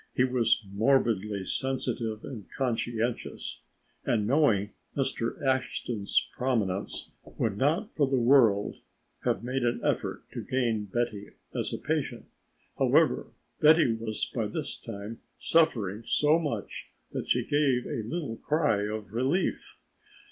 He was morbidly sensitive and conscientious, and knowing Mr. Ashton's prominence would not for the world have made an effort to gain Betty as a patient. However, Betty was by this time suffering so much that she gave a little cry of relief.